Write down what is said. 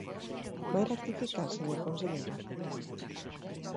¿Vai rectificar, señor conselleiro?